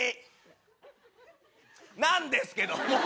なんですけども。